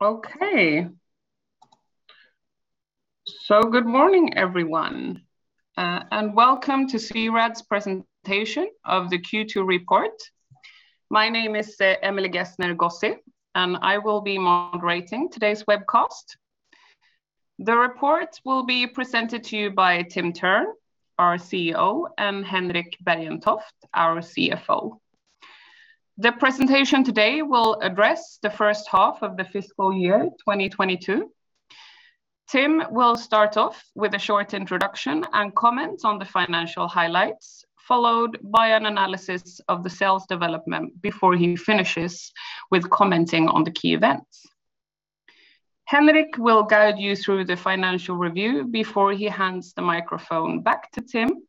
Okay. Good morning, everyone, and welcome to C-RAD's presentation of the Q2 report. My name is Emelie Gessner Gozzi, and I will be moderating today's webcast. The report will be presented to you by Tim Thurn, our CEO, and Henrik Bergentoft, our CFO. The presentation today will address the first half of the fiscal year 2022. Tim will start off with a short introduction and comment on the financial highlights, followed by an analysis of the sales development before he finishes with commenting on the key events. Henrik will guide you through the financial review before he hands the microphone back to Tim,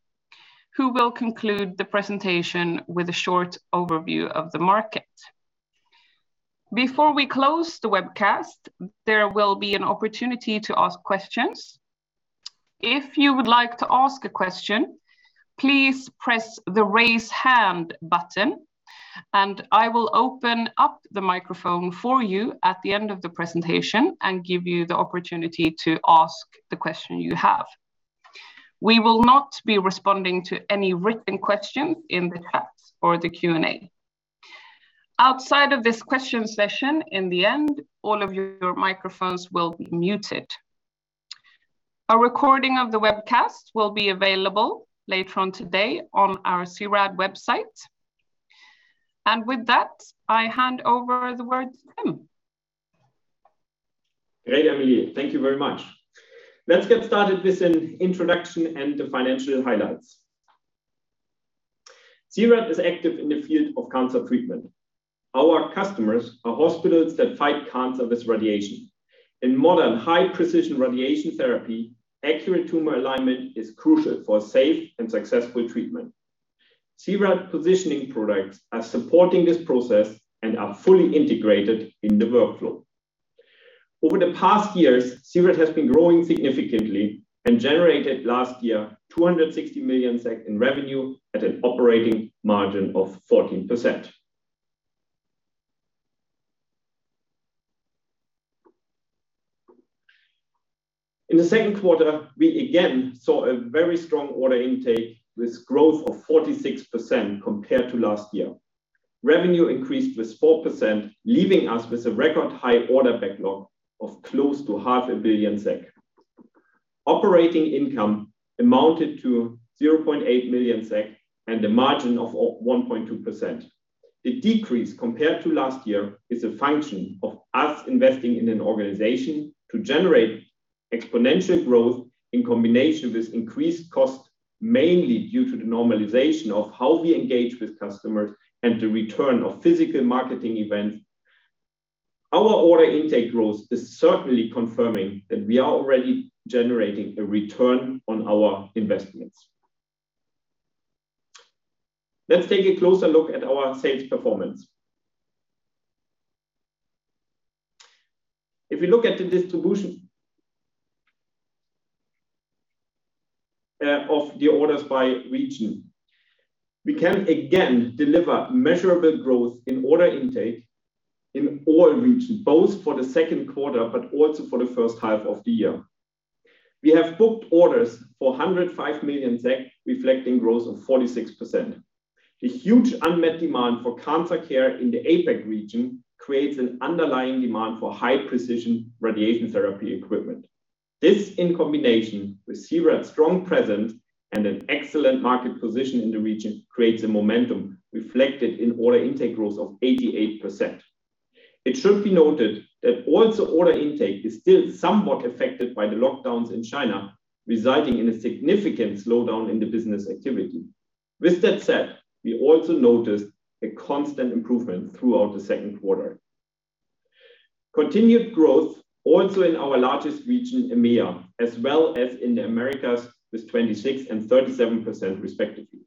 who will conclude the presentation with a short overview of the market. Before we close the webcast, there will be an opportunity to ask questions. If you would like to ask a question, please press the Raise Hand button, and I will open up the microphone for you at the end of the presentation and give you the opportunity to ask the question you have. We will not be responding to any written questions in the chat or the Q&A. Outside of this question session, in the end, all of your microphones will be muted. A recording of the webcast will be available later on today on our C-RAD website. With that, I hand over the word to Tim. Great, Emelie. Thank you very much. Let's get started with an introduction and the financial highlights. C-RAD is active in the field of cancer treatment. Our customers are hospitals that fight cancer with radiation. In modern high-precision radiation therapy, accurate tumor alignment is crucial for safe and successful treatment. C-RAD-positioning products are supporting this process and are fully integrated in the workflow. Over the past years, C-RAD has been growing significantly and generated last year 200 million SEK in revenue at an operating margin of 14%. In the second quarter, we again saw a very strong order intake with growth of 46% compared to last year. Revenue increased with 4%, leaving us with a record high order backlog of close to 500 million SEK. Operating income amounted to 0.8 million SEK and a margin of 1.2%. The decrease compared to last year is a function of us investing in an organization to generate exponential growth in combination with increased cost, mainly due to the normalization of how we engage with customers and the return of physical marketing events. Our order intake growth is certainly confirming that we are already generating a return on our investments. Let's take a closer look at our sales performance. If you look at the distribution of the orders by region, we can again deliver measurable growth in order intake in all regions, both for the second quarter but also for the first half of the year. We have booked orders for 105 million, reflecting growth of 46%. The huge unmet demand for cancer care in the APAC region creates an underlying demand for high-precision radiation therapy equipment. This, in combination with C-RAD's strong presence and an excellent market position in the region, creates a momentum reflected in order intake growth of 88%. It should be noted that also order intake is still somewhat affected by the lockdowns in China, resulting in a significant slowdown in the business activity. With that said, we also noticed a constant improvement throughout the second quarter. Continued growth also in our largest region, EMEA, as well as in the Americas, with 26% and 37%, respectively.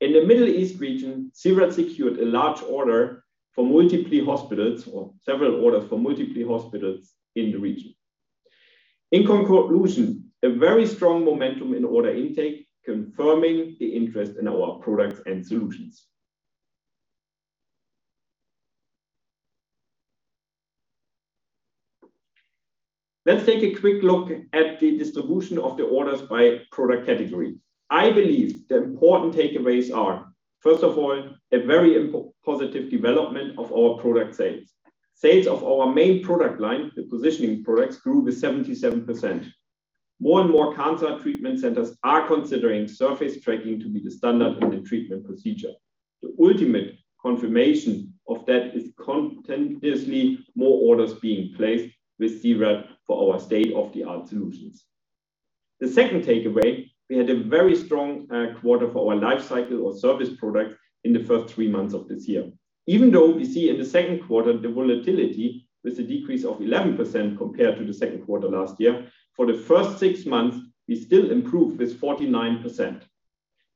In the Middle East region, C-RAD secured a large order for multiple hospitals or several orders for multiple hospitals in the region. In conclusion, a very strong momentum in order intake confirming the interest in our products and solutions. Let's take a quick look at the distribution of the orders by product category. I believe the important takeaways are, first of all, a very positive development of our product sales. Sales of our main product line, the Positioning products, grew with 77%. More and more cancer treatment centers are considering surface tracking to be the standard in the treatment procedure. The ultimate confirmation of that is continuously more orders being placed with C-RAD for our state-of-the-art solutions. The second takeaway, we had a very strong quarter for our Lifecycle or service products in the first three months of this year. Even though we see in the second quarter the volatility with a decrease of 11% compared to the second quarter last year, for the first six months, we still improved with 49%.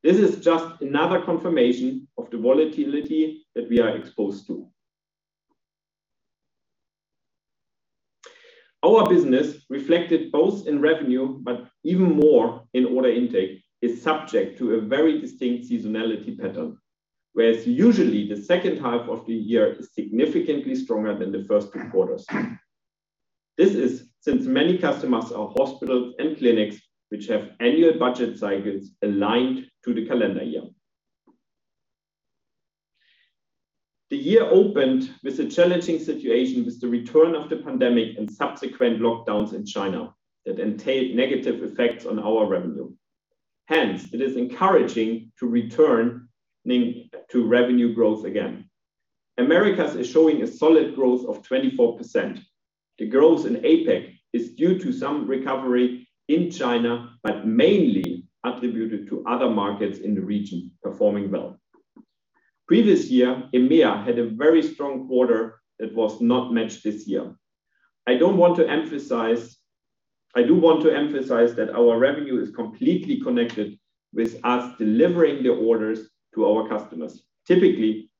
This is just another confirmation of the volatility that we are exposed to. Our business reflected both in revenue, but even more in order intake, is subject to a very distinct seasonality pattern, whereas usually the second half of the year is significantly stronger than the first two quarters. This is since many customers are hospitals and clinics which have annual budget cycles aligned to the calendar year. The year opened with a challenging situation with the return of the pandemic and subsequent lockdowns in China that entailed negative effects on our revenue. Hence, it is encouraging to returning to revenue growth again. Americas is showing a solid growth of 24%. The growth in APAC is due to some recovery in China, but mainly attributed to other markets in the region performing well. Previous year, EMEA had a very strong quarter that was not matched this year. I do want to emphasize that our revenue is completely connected with us delivering the orders to our customers. Typically,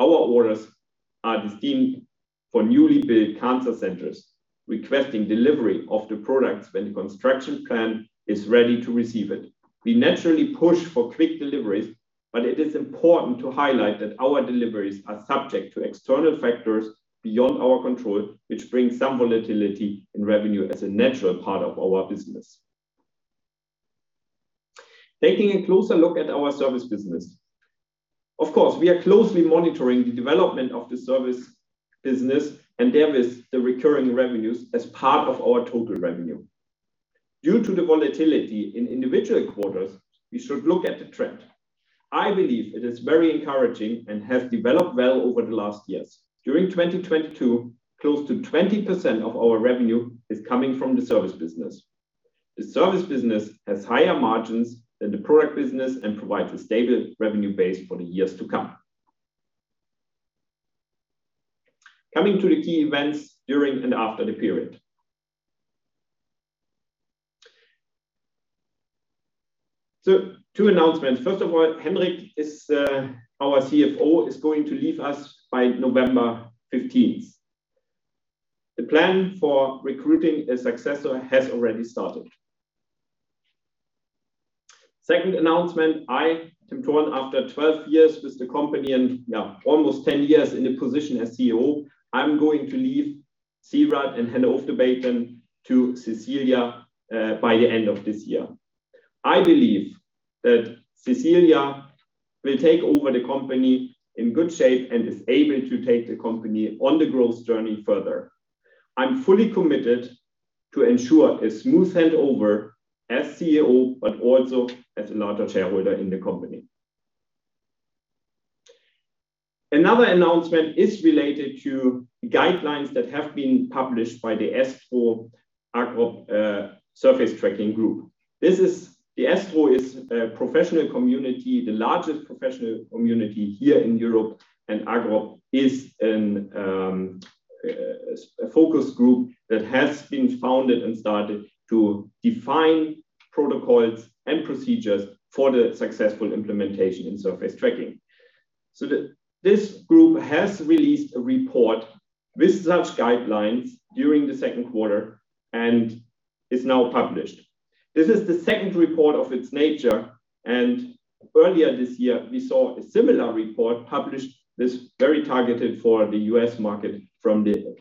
our orders are destined for newly built cancer centers, requesting delivery of the products when the construction plan is ready to receive it. We naturally push for quick deliveries, but it is important to highlight that our deliveries are subject to external factors beyond our control, which brings some volatility in revenue as a natural part of our business. Taking a closer look at our service business. Of course, we are closely monitoring the development of the service business and therewith the recurring revenues as part of our total revenue. Due to the volatility in individual quarters, we should look at the trend. I believe it is very encouraging and has developed well over the last years. During 2022, close to 20% of our revenue is coming from the service business. The service business has higher margins than the product business and provides a stable revenue base for the years to come. Coming to the key events during and after the period. Two announcements. First of all, Henrik, our CFO, is going to leave us by November 15th. The plan for recruiting a successor has already started. Second announcement, I, Tim Thurn, after 12 years with the company and now almost 10 years in the position as CEO, I'm going to leave C-RAD and hand off the baton to Cecilia by the end of this year. I believe that Cecilia will take over the company in good shape and is able to take the company on the growth journey further. I'm fully committed to ensure a smooth handover as CEO, but also as a larger shareholder in the company. Another announcement is related to guidelines that have been published by the ESTRO ACROP Surface Tracking Group. The ESTRO is a professional community, the largest professional community here in Europe, and ACROP is a focus group that has been founded and started to define protocols and procedures for the successful implementation in surface tracking. This group has released a report with such guidelines during the second quarter and is now published. This is the second report of its nature, and earlier this year we saw a similar report published that's very targeted for the U.S. market from the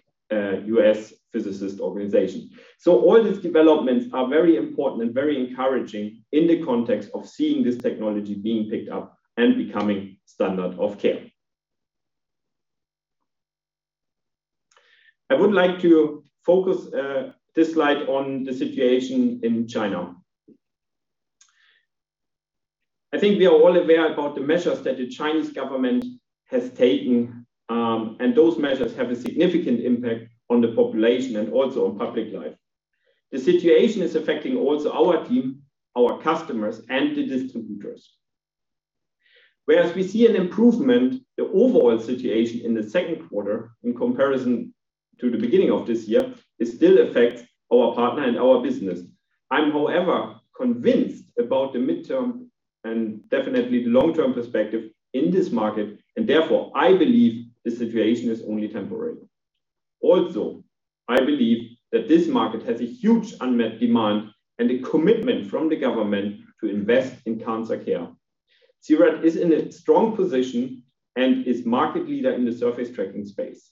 U.S. physicists organization. All these developments are very important and very encouraging in the context of seeing this technology being picked up and becoming standard of care. I would like to focus this slide on the situation in China. I think we are all aware about the measures that the Chinese government has taken, and those measures have a significant impact on the population and also on public life. The situation is affecting also our team, our customers, and the distributors. Whereas we see an improvement, the overall situation in the second quarter in comparison to the beginning of this year, it still affects our partner and our business. I'm, however, convinced about the midterm and definitely the long-term perspective in this market, and therefore, I believe the situation is only temporary. I believe that this market has a huge unmet demand and a commitment from the government to invest in cancer care. C-RAD is in a strong position and is market leader in the surface tracking space.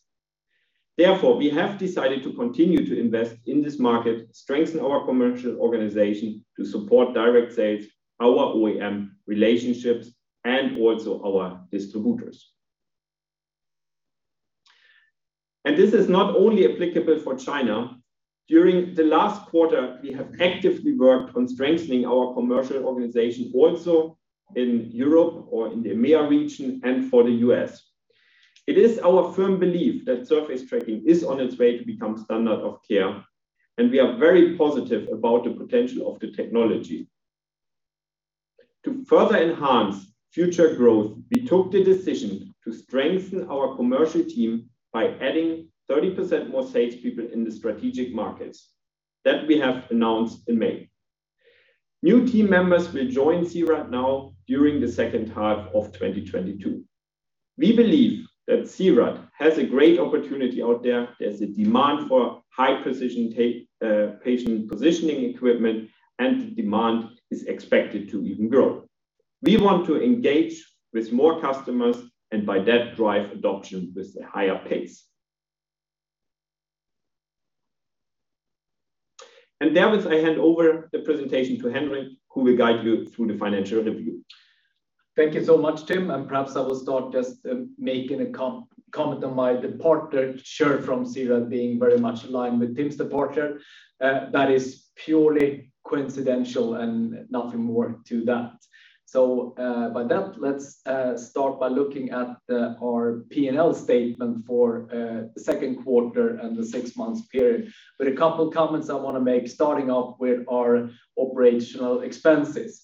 Therefore, we have decided to continue to invest in this market, strengthen our commercial organization to support direct sales, our OEM relationships, and also our distributors. This is not only applicable for China. During the last quarter, we have actively worked on strengthening our commercial organization also in Europe or in the EMEA region and for the U.S. It is our firm belief that surface tracking is on its way to become standard of care, and we are very positive about the potential of the technology. To further enhance future growth, we took the decision to strengthen our commercial team by adding 30% more salespeople in the strategic markets that we have announced in May. New team members will join C-RAD now during the second half of 2022. We believe that C-RAD has a great opportunity out there. There's a demand for high-precision patient-positioning equipment, and the demand is expected to even grow. We want to engage with more customers, and by that, drive adoption with a higher pace. With that, I hand over the presentation to Henrik, who will guide you through the financial review. Thank you so much, Tim. Perhaps I will start just making a comment on my departure sort from C-RAD being very much in line with Tim's departure. That is purely coincidental and nothing more to that. By that, let's start by looking at our P&L statement for the second quarter and the six-month period. With a couple comments I wanna make, starting off with our operational expenses.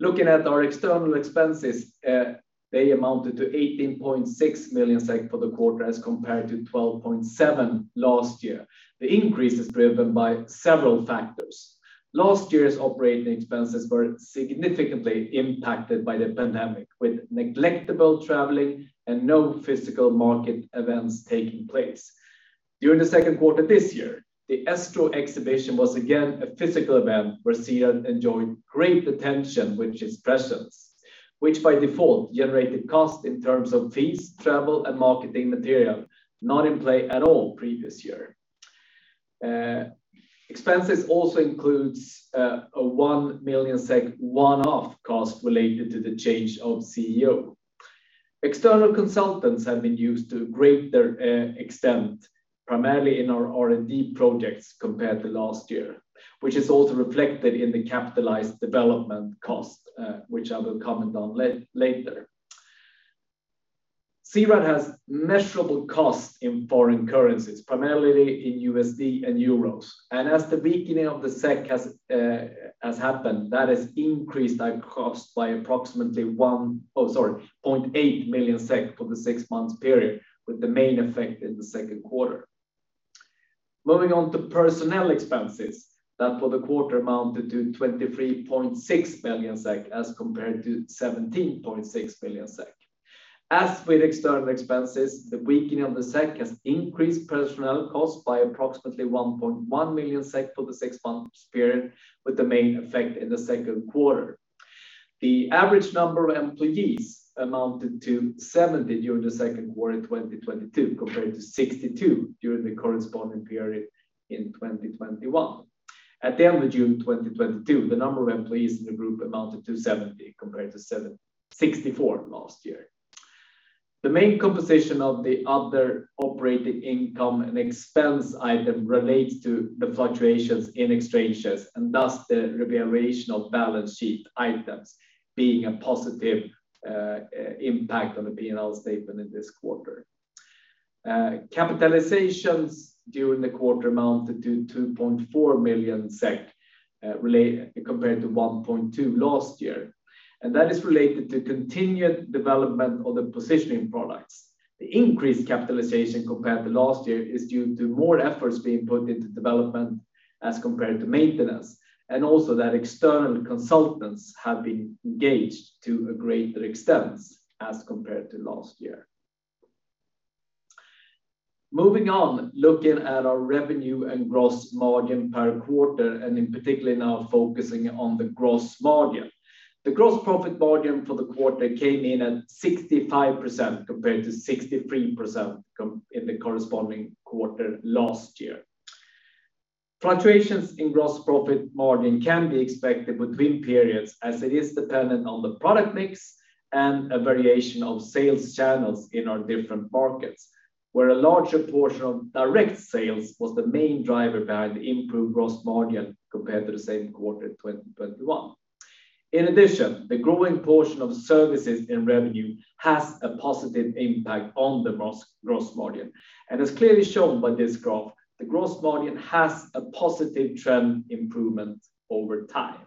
Looking at our external expenses, they amounted to 18.6 million SEK for the quarter as compared to 12.7 million last year. The increase is driven by several factors. Last year's operating expenses were significantly impacted by the pandemic, with negligible traveling and no physical market events taking place. During the second quarter this year, the ESTRO exhibition was again a physical event where C-RAD enjoyed great attention with its presence, which by default generated costs in terms of fees, travel, and marketing material not in play at all previous year. Expenses also includes a 1 million SEK one-off cost related to the change of CEO. External consultants have been used to a greater extent, primarily in our R&D projects compared to last year, which is also reflected in the capitalized development cost, which I will comment on later. C-RAD has measurable costs in foreign currencies, primarily in USD and euros. As the weakening of the SEK has happened, that has increased our cost by approximately 0.8 million SEK for the six months period, with the main effect in the second quarter. Moving on to personnel expenses, that for the quarter amounted to 23.6 million SEK as compared to 17.6 million SEK. As with external expenses, the weakening of the SEK has increased personnel costs by approximately 1.1 million SEK for the six-month period, with the main effect in the second quarter. The average number of employees amounted to 70 during the second quarter in 2022, compared to 62 during the corresponding period in 2021. At the end of June 2022, the number of employees in the group amounted to 70 compared to 64 last year. The main composition of the other operating income and expense item relates to the fluctuations in exchanges, and thus the revaluation of balance sheet items being a positive impact on the P&L statement in this quarter. Capitalization during the quarter amounted to 2.4 million SEK, compared to 1.2 million last year. That is related to continued development of the positioning products. The increased capitalization compared to last year is due to more efforts being put into development as compared to maintenance, and also that external consultants have been engaged to a greater extent as compared to last year. Moving on, looking at our revenue and gross margin per quarter, and in particular now focusing on the gross margin. The gross profit margin for the quarter came in at 65% compared to 63% in the corresponding quarter last year. Fluctuations in gross profit margin can be expected between periods, as it is dependent on the product mix and a variation of sales channels in our different markets, where a larger portion of direct sales was the main driver behind the improved gross margin compared to the same quarter in 2021. In addition, the growing portion of services in revenue has a positive impact on the gross margin. As clearly shown by this graph, the gross margin has a positive trend improvement over time.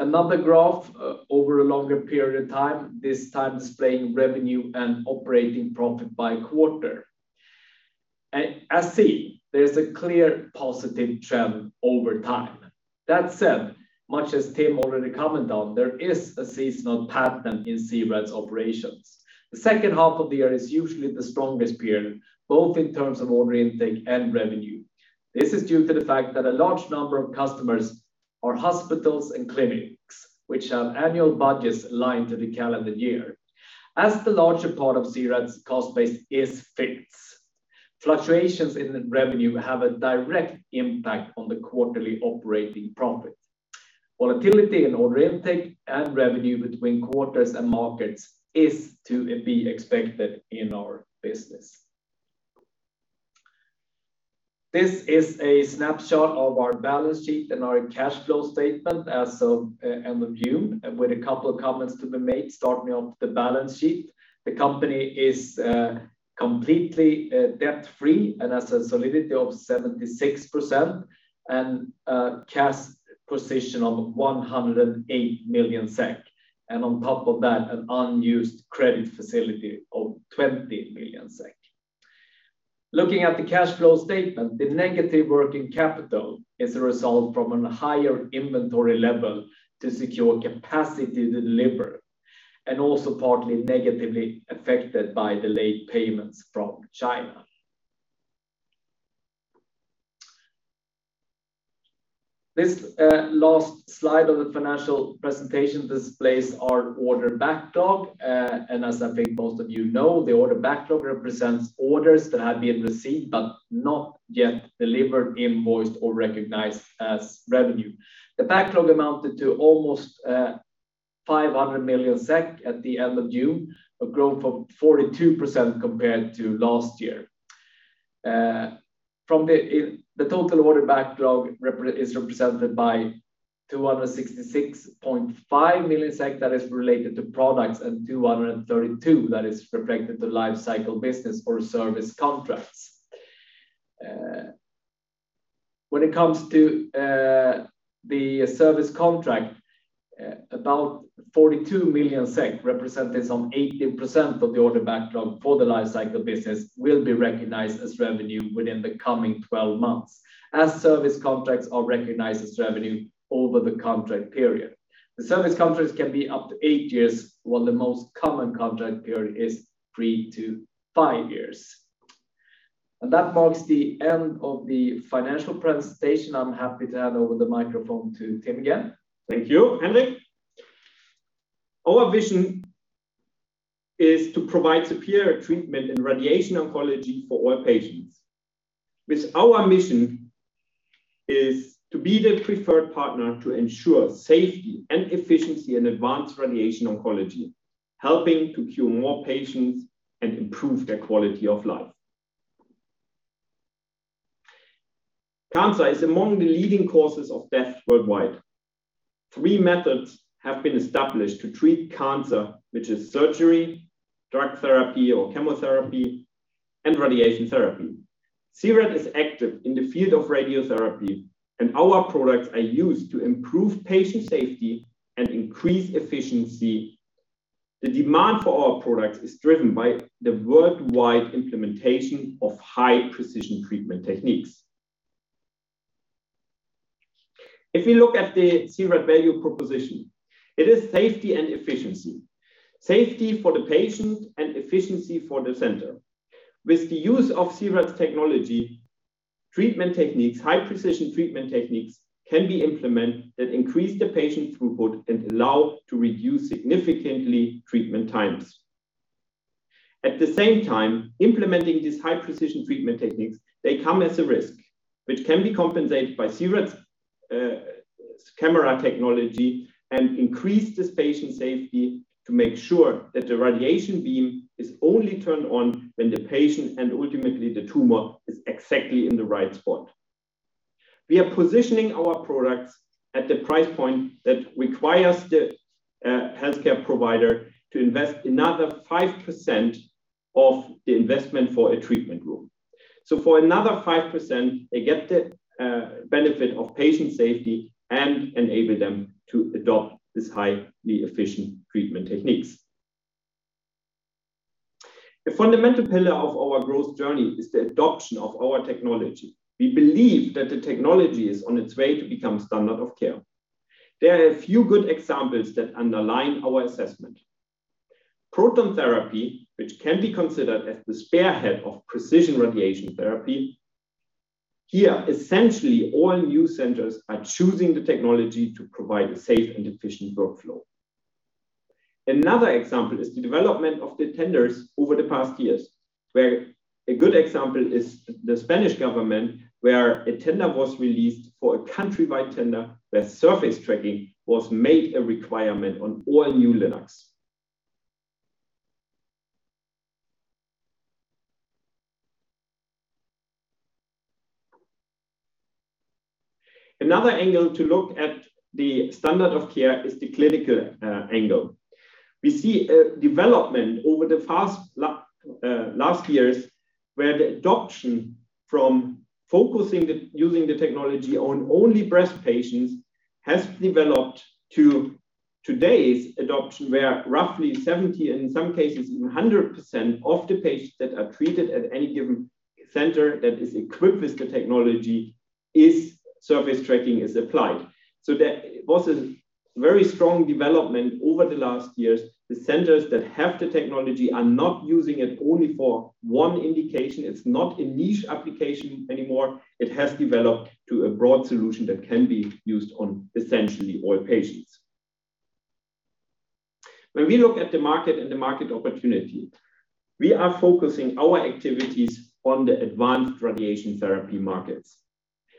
Another graph, over a longer period of time, this time displaying revenue and operating profit by quarter. As seen, there's a clear positive trend over time. That said, much as Tim already commented on, there is a seasonal pattern in C-RAD's operations. The second half of the year is usually the strongest period, both in terms of order intake and revenue. This is due to the fact that a large number of customers are hospitals and clinics, which have annual budgets aligned to the calendar year. As the larger part of C-RAD's cost base is fixed, fluctuations in the revenue have a direct impact on the quarterly operating profit. Volatility in order intake and revenue between quarters and markets is to be expected in our business. This is a snapshot of our balance sheet and our cash flow statement as of end of June, with a couple of comments to be made, starting off with the balance sheet. The company is completely debt-free and has a solidity of 76% and a cash position of 108 million SEK. On top of that, an unused credit facility of 20 million SEK. Looking at the cash flow statement, the negative working capital is a result from a higher inventory level to secure capacity to deliver and also partly negatively affected by delayed payments from China. This last slide of the financial presentation displays our order backlog. As I think most of you know, the order backlog represents orders that have been received but not yet delivered, invoiced, or recognized as revenue. The backlog amounted to almost 500 million SEK at the end of June, a growth of 42% compared to last year. The total order backlog is represented by 266.5 million SEK that is related to products and 232 million that is reflected to Lifecycle business or service contracts. When it comes to the service contract, about 42 million SEK representing some 18% of the order backlog for the Lifecycle business will be recognized as revenue within the coming 12 months, as service contracts are recognized as revenue over the contract period. The service contracts can be up to eight years, while the most common contract period is three-five years. That marks the end of the financial presentation. I'm happy to hand over the microphone to Tim again. Thank you, Henrik. Our vision is to provide superior treatment in radiation oncology for all patients. With our mission is to be the preferred partner to ensure safety and efficiency in advanced radiation oncology, helping to cure more patients and improve their quality of life. Cancer is among the leading causes of death worldwide. Three methods have been established to treat cancer, which is surgery, drug therapy or chemotherapy, and radiation therapy. C-RAD is active in the field of radiotherapy, and our products are used to improve patient safety and increase efficiency. The demand for our products is driven by the worldwide implementation of high-precision treatment techniques. If you look at the C-RAD value proposition, it is safety and efficiency. Safety for the patient and efficiency for the center. With the use of C-RAD's technology, treatment techniques, high-precision treatment techniques can be implemented that increase the patient throughput and allow to reduce significantly treatment times. At the same time, implementing these high-precision treatment techniques, they come as a risk, which can be compensated by C-RAD's camera technology and increase this patient safety to make sure that the radiation beam is only turned on when the patient and ultimately the tumor is exactly in the right spot. We are positioning our products at the price point that requires the healthcare provider to invest another 5% of the investment for a treatment room. For another 5%, they get the benefit of patient safety and enable them to adopt these highly efficient treatment techniques. A fundamental pillar of our growth journey is the adoption of our technology. We believe that the technology is on its way to become standard of care. There are a few good examples that underline our assessment. Proton therapy, which can be considered as the spearhead of precision radiation therapy. Here, essentially all new centers are choosing the technology to provide a safe and efficient workflow. Another example is the development of the tenders over the past years, where a good example is the Spanish government, where a tender was released for a countrywide tender where surface tracking was made a requirement on all new LINACs. Another angle to look at the standard of care is the clinical, angle. We see a development over the past last years, where the adoption from focusing using the technology on only breast patients has developed to today's adoption, where roughly 70%, and in some cases even 100% of the patients that are treated at any given center that is equipped with the technology is surface tracking applied. That was a very strong development over the last years. The centers that have the technology are not using it only for one indication. It's not a niche application anymore. It has developed to a broad solution that can be used on essentially all patients. When we look at the market and the market opportunity, we are focusing our activities on the advanced radiation therapy markets.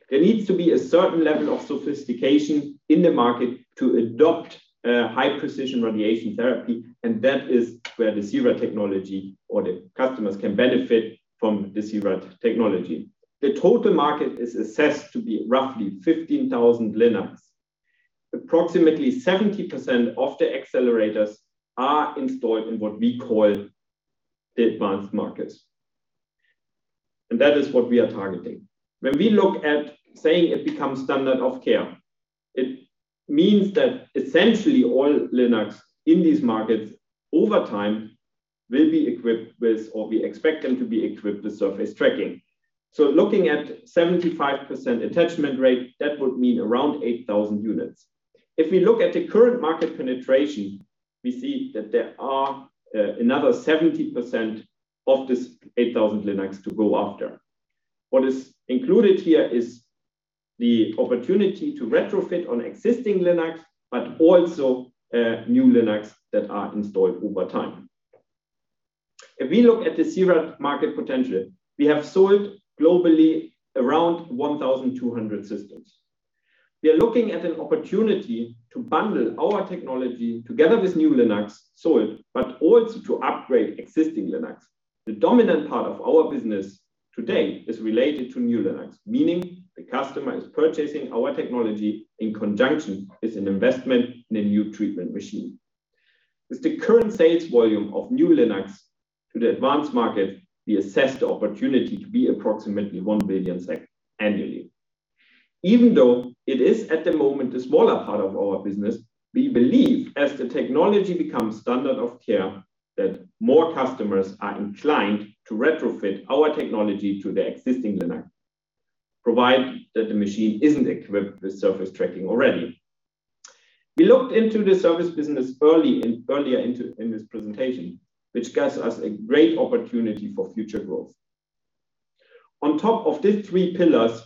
There needs to be a certain level of sophistication in the market to adopt high-precision radiation therapy, and that is where the C-RAD technology or the customers can benefit from the C-RAD technology. The total market is assessed to be roughly 15,000 LINACs. Approximately 70% of the accelerators are installed in what we call the advanced markets, and that is what we are targeting. When we look at saying it becomes standard of care. It means that essentially all LINACs in these markets over time will be equipped with, or we expect them to be equipped with surface tracking. Looking at 75% attachment rate, that would mean around 8,000 units. If we look at the current market penetration, we see that there are another 70% of this 8,000 LINACs to go after. What is included here is the opportunity to retrofit on existing LINACs, but also new LINACs that are installed over time. If we look at the C-RAD market potential, we have sold globally around 1,200 systems. We are looking at an opportunity to bundle our technology together with new LINACs sold, but also to upgrade existing LINACs. The dominant part of our business today is related to new LINACs, meaning the customer is purchasing our technology in conjunction with an investment in a new treatment machine. With the current sales volume of new LINACs to the advanced market, we assess the opportunity to be approximately 1 billion annually. Even though it is at the moment a smaller part of our business, we believe as the technology becomes standard of care, that more customers are inclined to retrofit our technology to their existing LINAC, provided that the machine isn't equipped with surface tracking already. We looked into the service business earlier in this presentation, which gives us a great opportunity for future growth. On top of these three pillars,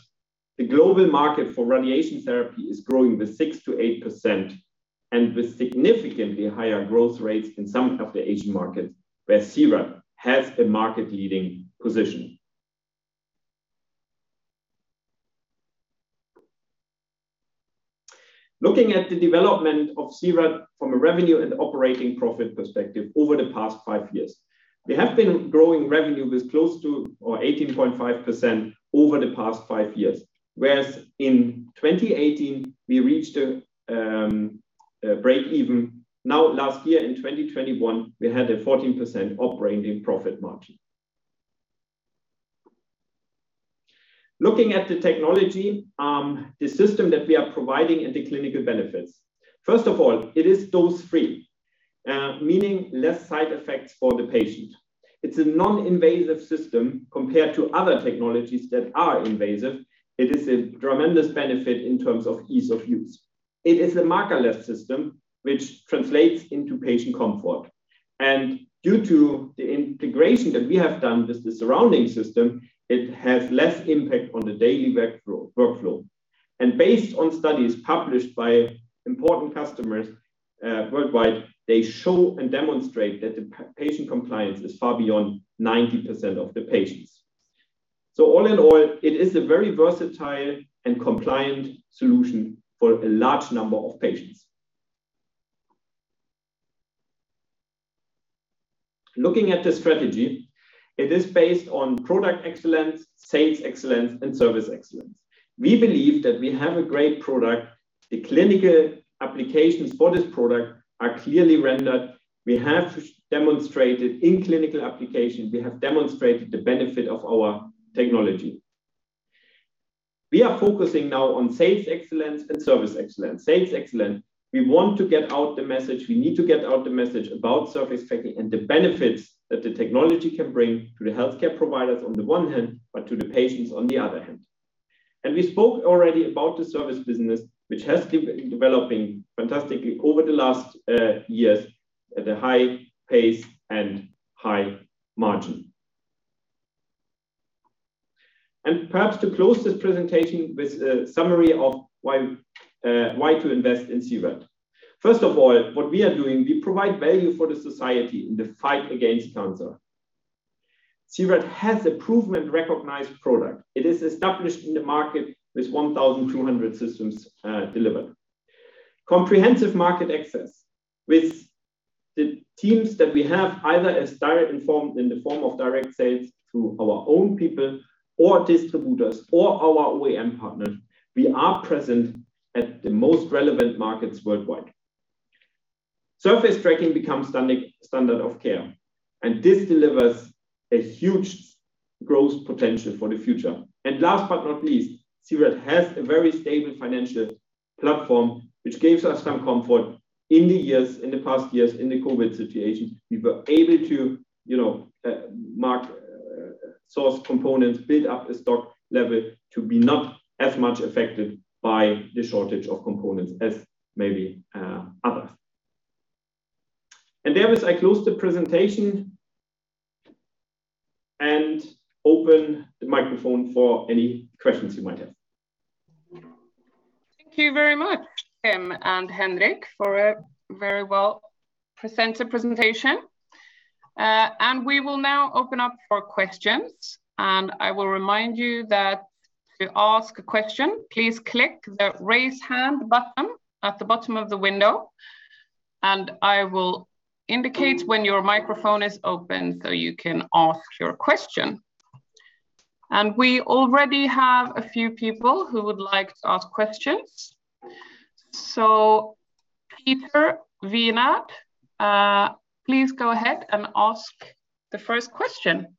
the global market for radiation therapy is growing with 6%-8% and with significantly higher growth rates in some of the Asian markets where C-RAD has a market-leading position. Looking at the development of C-RAD from a revenue and operating profit perspective over the past five years. We have been growing revenue with close to or 18.5% over the past five years, whereas in 2018 we reached a break-even. Now last year in 2021 we had a 14% operating profit margin. Looking at the technology, the system that we are providing and the clinical benefits. First of all, it is dose-free, meaning less side effects for the patient. It's a non-invasive system compared to other technologies that are invasive. It is a tremendous benefit in terms of ease of use. It is a markerless system which translates into patient comfort. Due to the integration that we have done with the surrounding system, it has less impact on the daily workflow. Based on studies published by important customers, worldwide, they show and demonstrate that the patient compliance is far beyond 90% of the patients. All in all, it is a very versatile and compliant solution for a large number of patients. Looking at the strategy, it is based on product excellence, sales excellence and service excellence. We believe that we have a great product. The clinical applications for this product are clearly rendered. In clinical application, we have demonstrated the benefit of our technology. We are focusing now on sales excellence and service excellence. Sales excellence, we want to get out the message. We need to get out the message about surface tracking and the benefits that the technology can bring to the healthcare providers on the one hand, but to the patients on the other hand. We spoke already about the service business, which has keep developing fantastically over the last years at a high pace and high margin. Perhaps to close this presentation with a summary of why to invest in C-RAD. First of all, what we are doing, we provide value for the society in the fight against cancer. C-RAD has a proven recognized product. It is established in the market with 1,200 systems delivered. Comprehensive market access with the teams that we have, either in the form of direct sales through our own people or distributors or our OEM partners. We are present at the most relevant markets worldwide. Surface tracking becomes standard of care, and this delivers a huge growth potential for the future. Last but not least, C-RAD has a very stable financial platform, which gives us some comfort in the past years in the COVID situation, we were able to, you know, source components, build up a stock level to be not as much affected by the shortage of components as maybe others. With that, I close the presentation and open the microphone for any questions you might have. Thank you very much, Tim and Henrik, for a very well-presented presentation. We will now open up for questions. I will remind you that to ask a question, please click the Raise Hand button at the bottom of the window, and I will indicate when your microphone is open, so you can ask your question. We already have a few people who would like to ask questions. [Peter Wienand], please go ahead and ask the first question.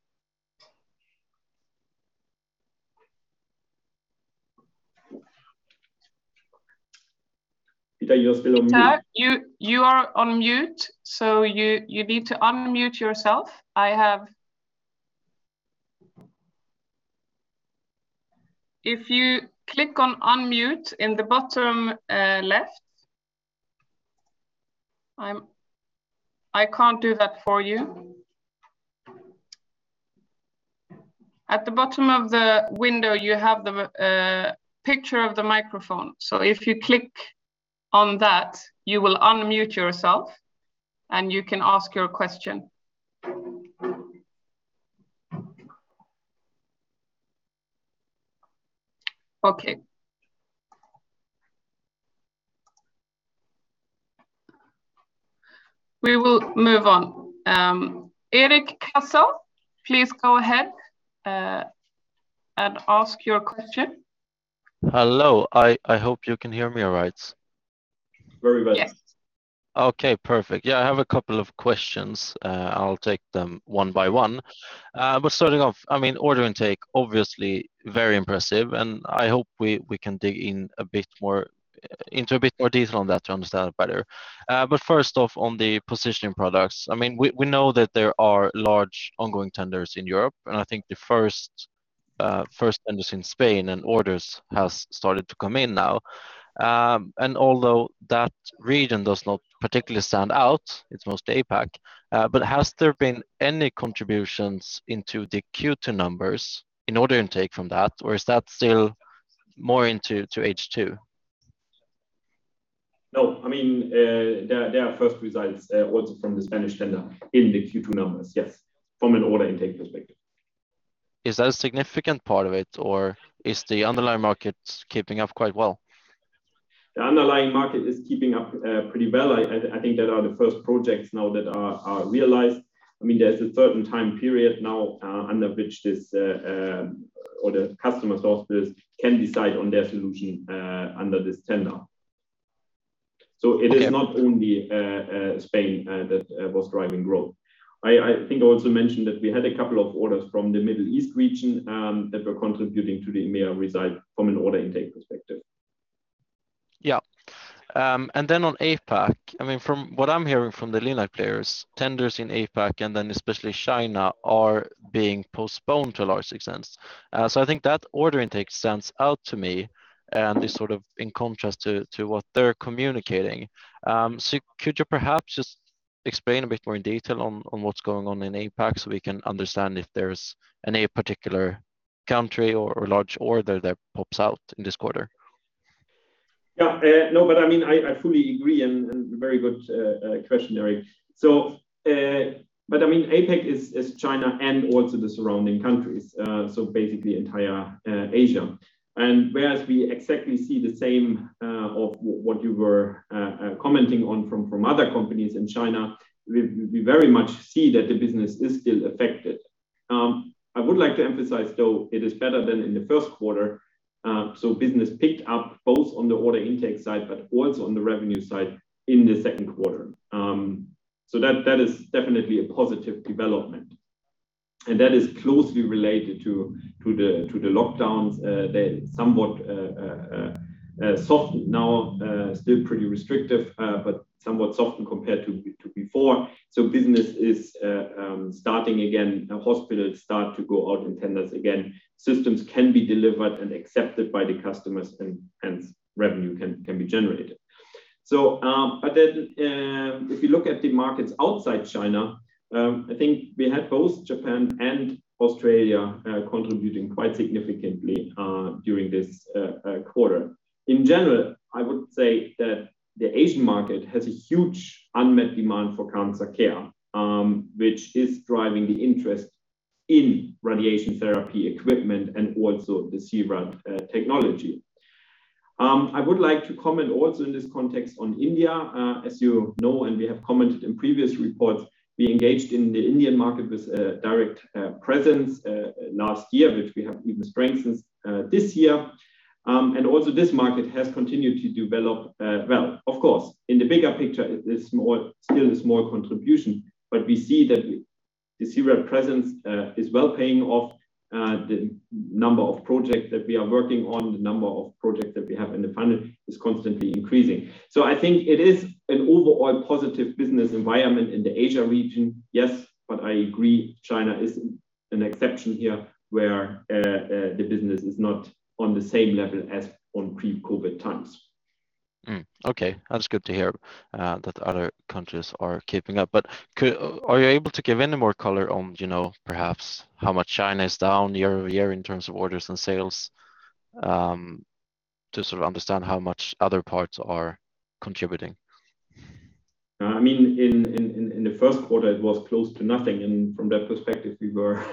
Peter, you're still on mute. Peter, you are on mute, so you need to unmute yourself. If you click on unmute in the bottom left. I can't do that for you. At the bottom of the window you have the picture of the microphone. If you click on that, you will unmute yourself, and you can ask your question. Okay. We will move on. Erik Cassel, please go ahead and ask your question. Hello. I hope you can hear me all right. Very well. Yes. Okay, perfect. Yeah, I have a couple of questions. I'll take them one by one. Starting off, I mean, order intake, obviously very impressive, and I hope we can dig in a bit more into a bit more detail on that to understand it better. First off, on the positioning products, I mean, we know that there are large ongoing tenders in Europe, and I think the first tenders in Spain and orders has started to come in now. Although that region does not particularly stand out, it's mostly APAC, has there been any contributions into the Q2 numbers in order intake from that, or is that still more into H2? No. I mean, there are first results also from the Spanish tender in the Q2 numbers, yes, from an order intake perspective. Is that a significant part of it, or is the underlying market keeping up quite well? The underlying market is keeping up pretty well. I think there are the first projects now that are realized. I mean, there's a certain time period now under which the customer's hospitals can decide on their solution under this tender. It is not only Spain that was driving growth. I think I also mentioned that we had a couple of orders from the Middle East region that were contributing to the EMEA result from an order intake perspective. On APAC, I mean, from what I'm hearing from the LINAC players, tenders in APAC and then especially China are being postponed to a large extent. I think that order intake stands out to me and is sort of in contrast to what they're communicating. Could you perhaps just explain a bit more in detail on what's going on in APAC so we can understand if there's any particular country or large order that pops out in this quarter? Yeah. No, but I mean, I fully agree, and very good question, Erik. But I mean, APAC is China and also the surrounding countries, so basically entire Asia. Whereas we exactly see the same of what you were commenting on from other companies in China, we very much see that the business is still affected. I would like to emphasize, though, it is better than in the first quarter. Business picked up both on the order intake side, but also on the revenue side in the second quarter. That is definitely a positive development. That is closely related to the lockdowns that somewhat softened now, still pretty restrictive, but somewhat softened compared to before. Business is starting again. Hospitals start to go out and tender again. Systems can be delivered and accepted by the customers and revenue can be generated. If you look at the markets outside China, I think we had both Japan and Australia contributing quite significantly during this quarter. In general, I would say that the Asian market has a huge unmet demand for cancer care, which is driving the interest in radiation therapy equipment and also the C-RAD technology. I would like to comment also in this context on India. As you know, we have commented in previous reports, we engaged in the Indian market with a direct presence last year, which we have even strengthened this year. Also this market has continued to develop, well. Of course, in the bigger picture it is more, still is more contribution, but we see that the C-RAD presence is well paying off. The number of projects that we are working on, the number of projects that we have in the funnel is constantly increasing. I think it is an overall positive business environment in the Asia region, yes, but I agree China is an exception here where the business is not on the same level as on pre-COVID times. Okay. That's good to hear that other countries are keeping up. Are you able to give any more color on, you know, perhaps how much China is down year-over-year in terms of orders and sales, to sort of understand how much other parts are contributing? I mean, in the first quarter it was close to nothing, and from that perspective, we were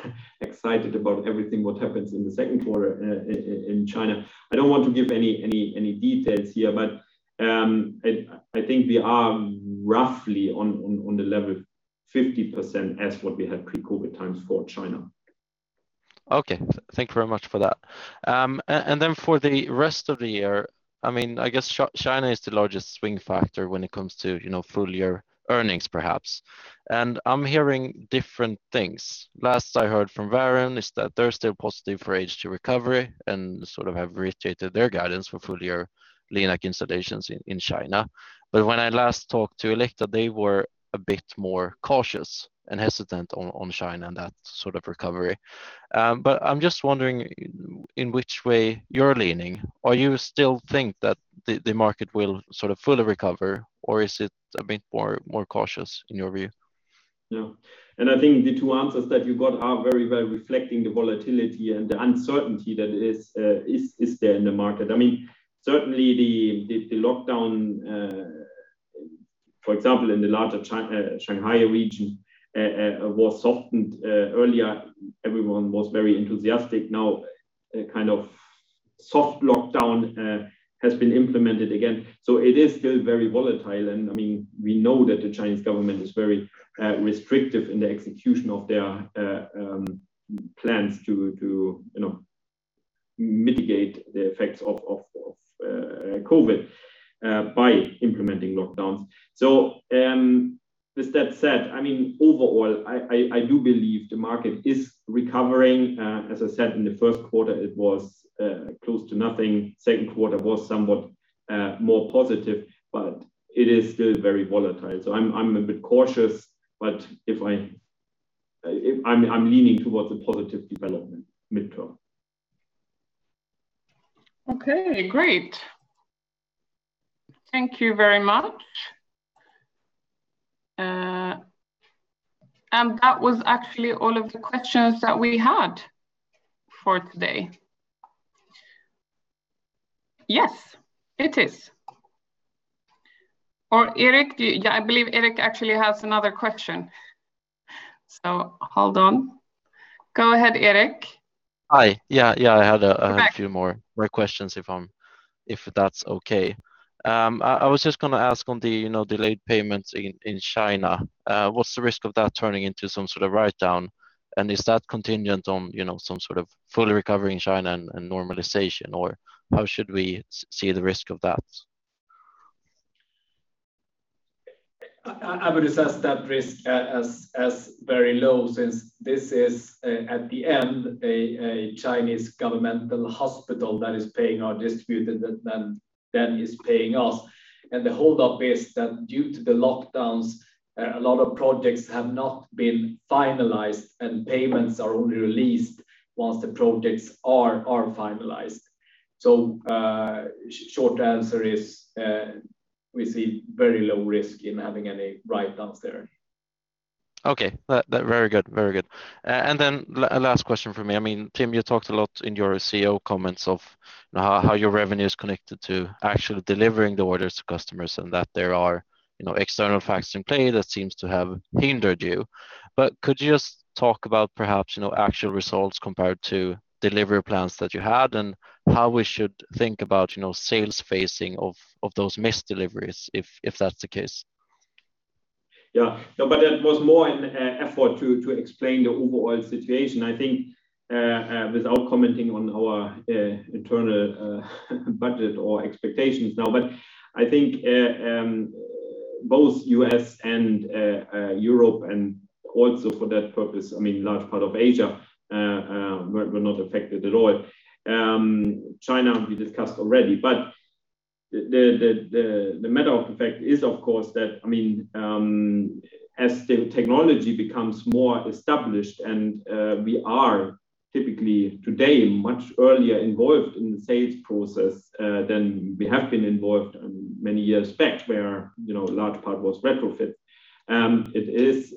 excited about everything what happens in the second quarter in China. I don't want to give any details here, but I think we are roughly on the level 50% as what we had pre-COVID times for China. Okay. Thank you very much for that. And then for the rest of the year, I mean, I guess China is the largest swing factor when it comes to, you know, full-year earnings perhaps. I'm hearing different things. Last I heard from Varian is that they're still positive for H2 recovery and sort of have reiterated their guidance for full year LINAC installations in China. When I last talked to Elekta, they were a bit more cautious and hesitant on China and that sort of recovery. I'm just wondering in which way you're leaning. Are you still think that the market will sort of fully recover or is it a bit more cautious in your view? Yeah. I think the two answers that you got are very well reflecting the volatility and the uncertainty that is there in the market. I mean, certainly the lockdown, for example, in the larger Shanghai region, was softened earlier. Everyone was very enthusiastic. Now a kind of soft lockdown has been implemented again. It is still very volatile. I mean, we know that the Chinese government is very restrictive in the execution of their plans to, you know, mitigate the effects of COVID by implementing lockdowns. With that said, I mean, overall, I do believe the market is recovering. As I said, in the first quarter it was close to nothing. Second quarter was somewhat more positive, but it is still very volatile. I'm a bit cautious, but if I'm leaning towards a positive development midterm. Okay, great. Thank you very much. That was actually all of the questions that we had for today. Yes, it is. Or Erik, do you? Yeah, I believe Erik actually has another question. So hold on. Go ahead, Erik. Hi. Yeah, yeah. I had a few more questions if that's okay. I was just gonna ask on the, you know, delayed payments in China, what's the risk of that turning into some sort of write-down? Is that contingent on, you know, some sort of fully recovering China and normalization? How should we see the risk of that? I would assess that risk as very low since this is at the end a Chinese governmental hospital that is paying our distributor that then is paying us. The holdup is that due to the lockdowns a lot of projects have not been finalized and payments are only released once the projects are finalized. Short answer is we see very low risk in having any write downs there. Okay. Very good. Very good. Then last question from me. I mean, Tim, you talked a lot in your CEO comments of how your revenue is connected to actually delivering the orders to customers and that there are, you know, external factors in play that seems to have hindered you. But could you just talk about perhaps, you know, actual results compared to delivery plans that you had and how we should think about, you know, sales phasing of those missed deliveries if that's the case? Yeah. No, but that was more an effort to explain the overall situation. I think without commenting on our internal budget or expectations now. I think both U.S. and Europe and also for that purpose, I mean, large part of Asia were not affected at all. China, we discussed already. The matter of the fact is of course that, I mean, as the technology becomes more established and we are typically today much earlier involved in the sales process than we have been involved in many years back where, you know, a large part was retrofit. It is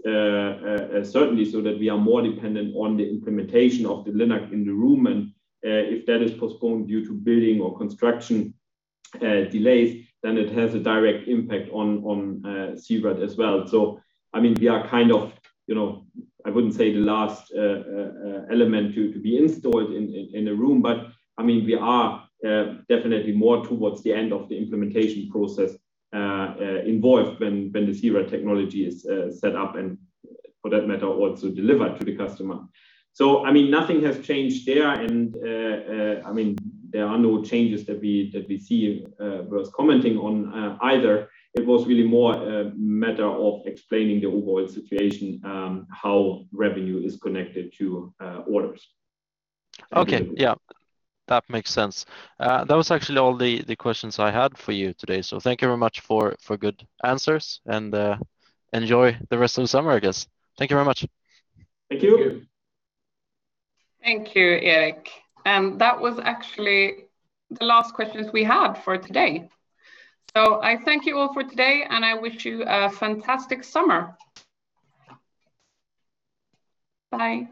certainly so that we are more dependent on the implementation of the LINAC in the room and if that is postponed due to building or construction delays, then it has a direct impact on C-RAD as well. I mean, we are kind of, you know, I wouldn't say the last element to be installed in the room, but I mean, we are definitely more towards the end of the implementation process involved when the C-RAD technology is set up and for that matter, also delivered to the customer. I mean, nothing has changed there and I mean, there are no changes that we see worth commenting on either. It was really more a matter of explaining the overall situation, how revenue is connected to orders. Okay. Yeah. That makes sense. That was actually all the questions I had for you today, so thank you very much for good answers and enjoy the rest of the summer, I guess. Thank you very much. Thank you. Thank you. Thank you, Erik. That was actually the last questions we had for today. I thank you all for today, and I wish you a fantastic summer. Bye.